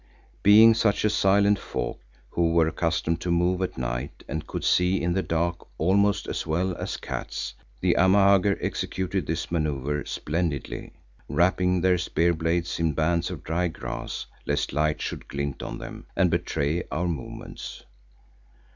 Being such a silent folk who were accustomed to move at night and could see in the dark almost as well as cats, the Amahagger executed this manoeuvre splendidly, wrapping their spear blades in bands of dry grass lest light should glint on them and betray our movements.